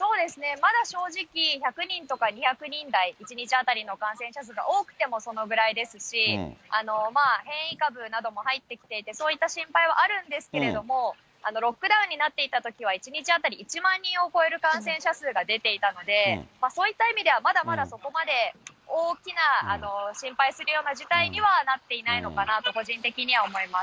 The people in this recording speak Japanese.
まだ正直、１００人とか２００人台、１日当たりの感染者数が多くてもそのぐらいですし、変異株なども入ってきていて、そういった心配はあるんですけれども、ロックダウンになっていたときは、１日当たり１万人を超える感染者数が出ていたので、そういった意味では、まだまだそこまで大きな心配するような事態にはなっていないのかなと、個人的には思います。